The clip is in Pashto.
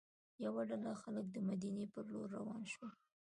یوه ډله خلک د مدینې پر لور روان شول.